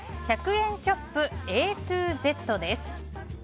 １００円ショップＡｔｏＺです。